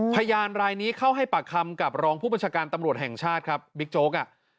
พยานรายนี้เข้าให้ปากคำกับรองผู้บัญชาการตำรวจแห่งชาติครับบิ๊กโจ๊กอ่ะ